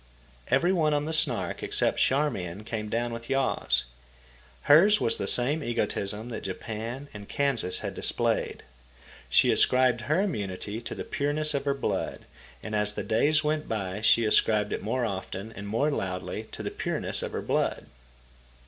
Every one on the Snark except Charmian came down with yaws. Hers was the same egotism that Japan and Kansas had displayed. She ascribed her immunity to the pureness of her blood, and as the days went by she ascribed it more often and more loudly to the pureness of her blood.